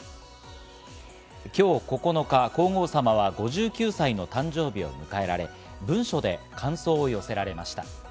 今日９日、皇后さまは５９歳の誕生日を迎えられ、文書で感想を寄せられました。